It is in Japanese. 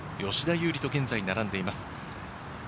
吉田優利と現在並んでいます。